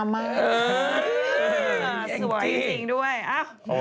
นอนก็ไม่สวยแต่ดีใจน้องงามมาก